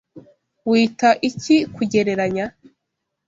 Wita iki kugereranya?